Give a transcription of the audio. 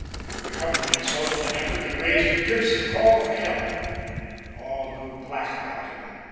Recovering himself with an effort, he raised a piercing call for help. All grew black about him.